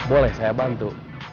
boleh saya bantu